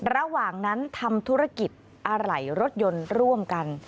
ระหว่างนั้นทำธุรกิจอะไหล่รถยนต์ร่วมกัน